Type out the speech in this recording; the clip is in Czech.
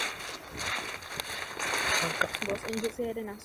Nemůžete nadále budovat tuto Evropskou unii proti stanovisku veřejného mínění.